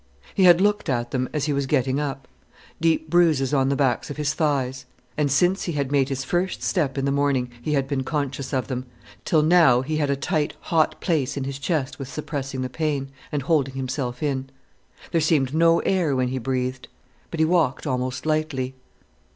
He had looked at them, as he was getting up: deep bruises on the backs of his thighs. And since he had made his first step in the morning, he had been conscious of them, till now he had a tight, hot place in his chest, with suppressing the pain, and holding himself in. There seemed no air when he breathed. But he walked almost lightly.